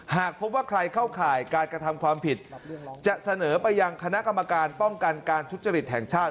หากพบว่าใครเข้าข่ายการกระทำความผิดจะเสนอไปยังคณะกรรมการป้องกันการทุจริตแห่งชาติ